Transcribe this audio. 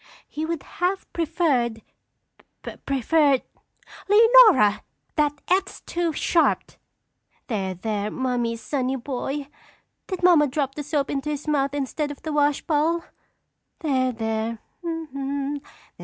"He would have preferred preferred " (Loudly.) Leonora! That F's to be sharped! There, there, mother's sonny boy! Did mamma drop the soap into his mouth instead of the wash bowl? There, there!